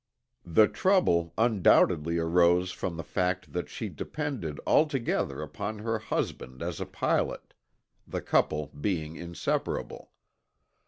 The trouble undoubtedly arose from the fact that she depended altogether upon her husband as a pilot, the couple being inseparable.